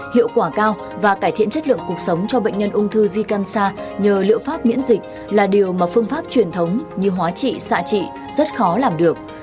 hiệu quả cao và cải thiện chất lượng cuộc sống cho bệnh nhân ung thư di can xa nhờ liệu pháp miễn dịch là điều mà phương pháp truyền thống như hóa trị xạ trị rất khó làm được